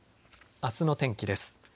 あすの天気です。